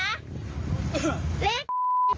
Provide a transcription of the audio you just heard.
เล่าอยู่นี่